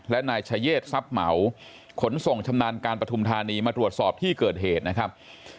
และนายชะเยศทรัพย์เหมาขนส่งชำนาญการปฐุมธานีมาตรวจสอบที่เกิดเหตุนะครับ